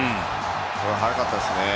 早かったですね。